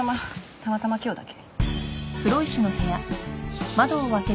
たまたま今日だけ。